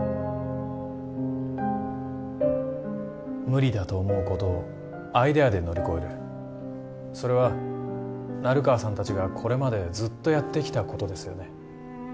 無理だと思うことをアイデアで乗り越えるそれは成川さん達がこれまでずっとやってきたことですよね？